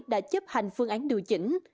đã chấp hành phương án điều chỉnh